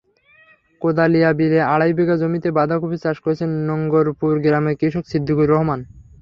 কোদালিয়া বিলে আড়াই বিঘা জমিতে বাঁধাকপির চাষ করেছেন নোংগরপুর গ্রামের কৃষক সিদ্দিকুর রহমান।